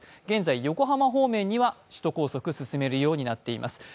現在、横浜方面には首都高速、進めるようになっています。